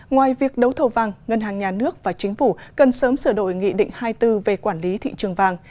ngoài việc đấu thầu vàng ngân hàng nhà nước và chính phủ cần sớm sửa đổi nghị định hai mươi bốn về quản lý thị trường vàng